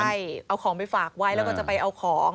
ใช่เอาของไปฝากไว้แล้วก็จะไปเอาของ